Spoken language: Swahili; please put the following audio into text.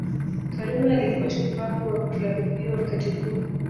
Karume alikuwa shupavu wa Klabu hiyo wakati huo